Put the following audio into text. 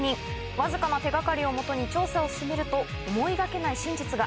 わずかな手掛かりをもとに調査を進めると思いがけない真実が。